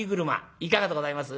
いかがでございます？」。